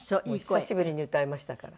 久しぶりに歌いましたから。